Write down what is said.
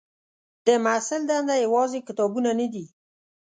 د محصل دنده یوازې کتابونه نه دي.